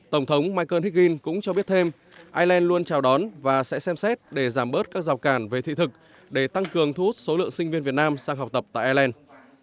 tổng thống michael heckgin cũng cho biết thêm ireland luôn chào đón và sẽ xem xét để giảm bớt các rào cản về thị thực để tăng cường thu hút số lượng sinh viên việt nam sang học tập tại ireland